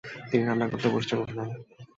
তিনি রান্না করতে বসেছেন উঠোনে।